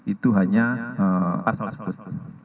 itu hanya asal sekolah